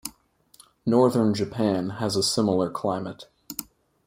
Northern Japan has a similar climate.